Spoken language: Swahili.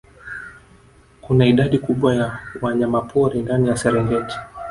Kuna idadi kubwa ya wanyamapori ndani ya Serengeti